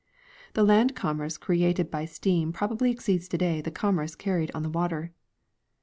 The land commerce created by steam probably exceeds today the commerce carried on the water.